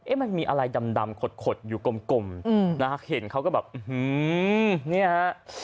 มันมีอะไรดำขดอยู่กลมนะฮะเห็นเขาก็แบบอื้อหือเนี่ยฮะ